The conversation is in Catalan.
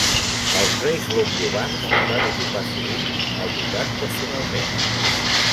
Els reis longobards van ocupar sovint el ducat personalment.